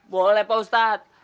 boleh pak ustadz